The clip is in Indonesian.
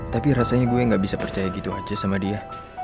tapi rasanya gue gak bisa percaya gitu aja sama dia